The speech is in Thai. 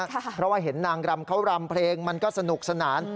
เพราะว่าเห็นนางรำเขารำเพลงมันก็สนุกสนาน